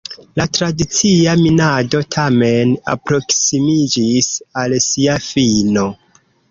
La tradicia minado tamen alproksimiĝis al sia fino.